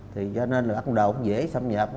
cho nên bắt đầu dễ xâm nhập